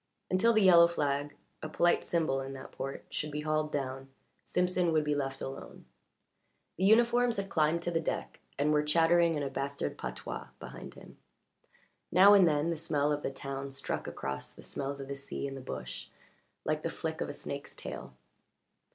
Until the yellow flag a polite symbol in that port should be hauled down Simpson would be left alone. The uniforms had climbed to the deck and were chattering in a bastard patois behind him; now and then the smell of the town struck across the smells of the sea and the bush like the flick of a snake's tail.